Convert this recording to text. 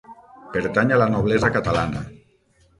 Pertany a la noblesa catalana.